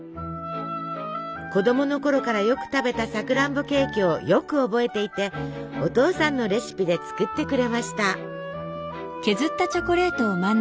子どものころからよく食べたさくらんぼケーキをよく覚えていてお父さんのレシピで作ってくれました。